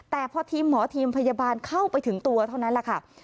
แต่พอทีมหมอทีมพยาบาลเข้าไปถึงตัวเท่านั้นแหละค่ะ